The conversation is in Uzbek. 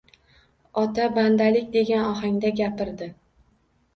Ota bandalik degan ohangda gapirdi